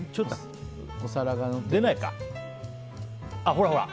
ほらほら！